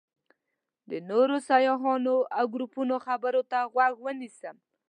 د نورو سیاحانو او ګروپونو خبرو ته غوږ ونیسم.